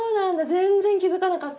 全然気付かなかった。